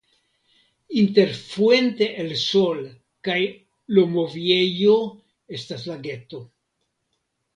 Inter Fuente el Sol kaj Lomoviejo estas lageto.